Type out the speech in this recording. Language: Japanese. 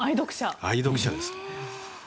愛読者です。